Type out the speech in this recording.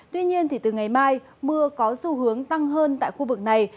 tuy nhiên từ ngày mai mưa có xu hướng tăng hơn tại khu vực này